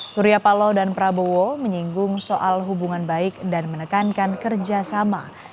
surya palo dan prabowo menyinggung soal hubungan baik dan menekankan kerjasama